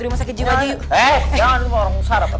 rumah sakit jiwa jiu eh jangan orang sarap arok mana